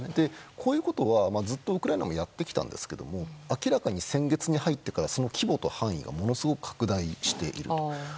こういうことって今までもウクライナもやってきたんですけども明らかに先月に入ってからその規模と範囲がものすごく拡大している。